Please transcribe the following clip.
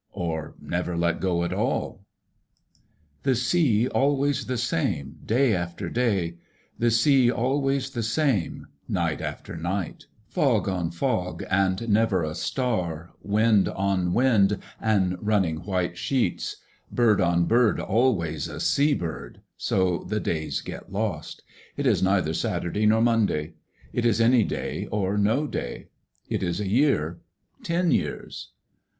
Or never let go at all? The sea always the same day after day, the sea always the same North Atlantic 1 85 night after night, fog on fog and never a star, wind on wind and running white sheets, bird on bird always a sea bird — so the days get lost: it is neither Saturday nor Monday, it is any day or no day, it is a year, ten years.